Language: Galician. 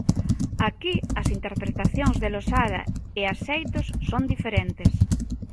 Aquí as interpretacións de Losada e Axeitos son diferentes.